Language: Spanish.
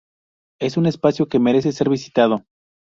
Es un espacio que merece ser visitado.